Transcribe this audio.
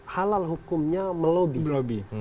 halal hukumnya melobi